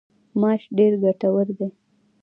ماش ډیر ګټور دي.